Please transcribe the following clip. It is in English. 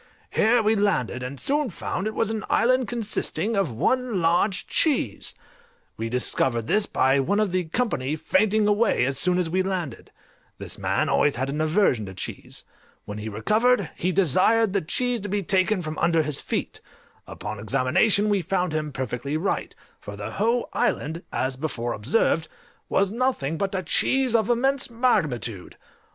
Here we landed, and soon found it was an island consisting of one large cheese: we discovered this by one of the company fainting away as soon as we landed: this man always had an aversion to cheese; when he recovered, he desired the cheese to be taken from under his feet: upon examination we found him perfectly right, for the whole island, as before observed, was nothing but a cheese of immense magnitude!